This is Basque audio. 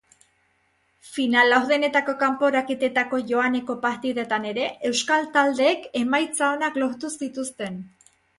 Final-laurdenetako kanporaketetako joaneko partidetan ere euskal taldeekl emaitza onak lortu zituzten.